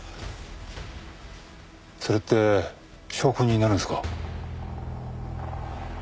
それって証拠になるんですか？